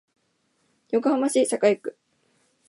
横浜市栄区